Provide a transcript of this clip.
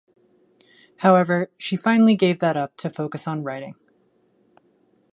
However she finally gave that up to focus on writing.